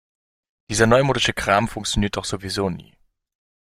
Dieser neumodische Kram funktioniert doch sowieso nie.